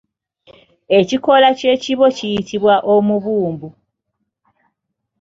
Ekikoola ky’ekibo kiyitibwa Omubumbu.